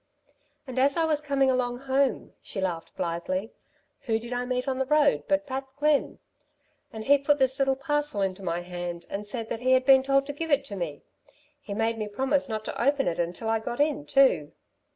"And as I was coming along home," she laughed blithely, "who did I meet on the road but Pat Glynn! And he put this little parcel into my hand, and said that he had been told to give it to me. He made me promise not to open it until I got in, too!"